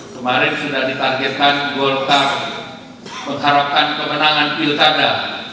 kemarin sudah ditargetkan golkar mengharapkan kemenangan pilkada